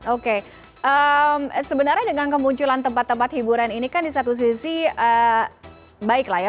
oke sebenarnya dengan kemunculan tempat tempat hiburan ini kan di satu sisi baik lah ya